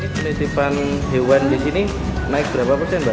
penitipan hewan di sini naik berapa persen mbak